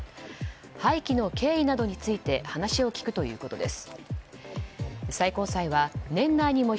廃棄の経緯などについて話を聞くということです。